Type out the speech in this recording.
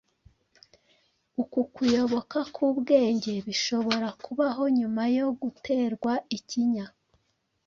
Uku kuyoba k’ubwenge bishobora kubaho nyuma yo guterwa ikinya